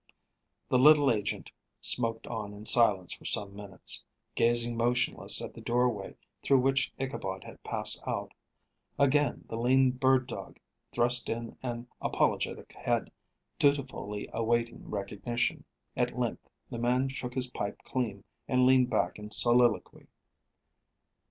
The little agent smoked on in silence for some minutes, gazing motionless at the doorway through which Ichabod had passed out. Again the lean bird dog thrust in an apologetic head, dutifully awaiting recognition. At length the man shook his pipe clean, and leaned back in soliloquy.